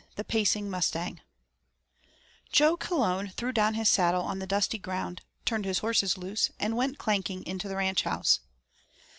THE PACING MUSTANG I JO CALONE threw down his saddle on the dusty ground, turned his horses loose, and went clanking into the ranchhouse.